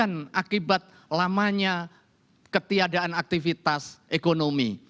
membantu pendidikan akibat lamanya ketiadaan aktivitas ekonomi